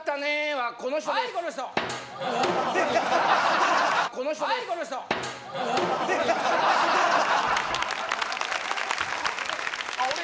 はい